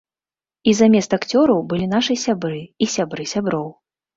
І замест акцёраў былі нашы сябры і сябры сяброў.